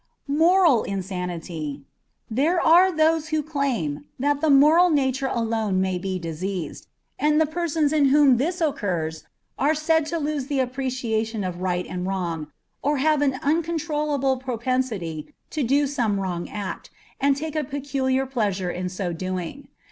Moral Insanity. There are those who claim that the moral nature alone may be diseased, and the persons in whom this occurs are said to lose the appreciation of right and wrong, or have an uncontrollable propensity to do some wrong act, and take a peculiar pleasure in so doing.